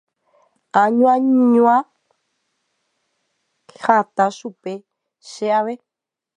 añañua hatã chupe che ave.